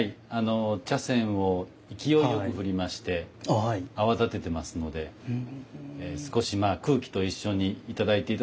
茶筅を勢いよく振りまして泡立ててますので少し空気と一緒にいただいて頂くと香りが立ちやすく。